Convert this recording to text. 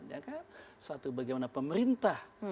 ya kan suatu bagaimana pemerintah